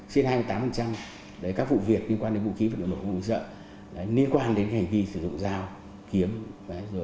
khoảng hai mươi tám các vụ việc liên quan đến vũ khí vật liệu nổ vũ sở